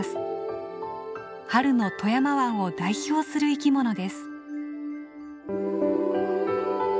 春の富山湾を代表する生きものです。